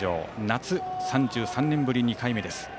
夏、３３年ぶり２回目です。